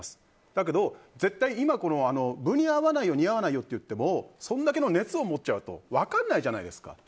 だけど、絶対分に合わないよ似合わないよって言ってもそんだけの熱を持っちゃうと分からないじゃないですか。